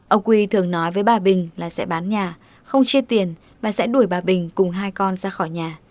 ông quy thường nói với bà bình là sẽ bán nhà không chia tiền bà sẽ đuổi bà bình cùng hai con ra khỏi nhà